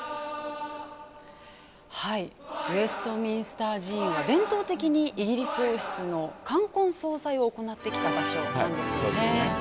ウェストミンスター寺院は伝統的にイギリス王室の冠婚葬祭を行ってきた場所なんですよね。